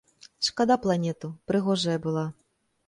Шкада планету, прыгожая была.